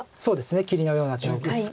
切りのような手を打つか。